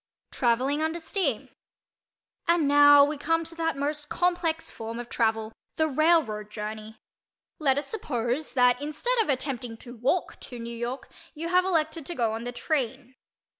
TRAVELLING UNDER STEAM And now we come to that most complex form of travel—the railroad journey. Let us suppose that instead of attempting to walk to New York you have elected to go on the "train."